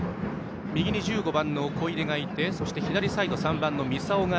右に１５番の小出がいて左サイド、３番の三竿。